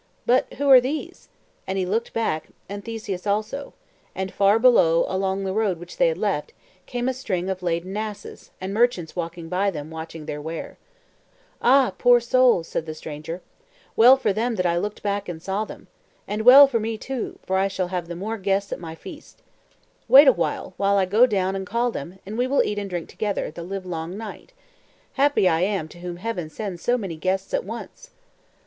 But who are these?" and he looked back, and Theseus also; and far below, along the road which they had left, came a string of laden asses, and merchants walking by them, watching their ware. "Ah, poor souls!" said the stranger. "Well for them that I looked back and saw them! And well for me, too, for I shall have the more guests at my feast. Wait awhile till I go down and call them, and we will eat and drink together the livelong night. Happy am I, to whom Heaven sends so many guests at once!"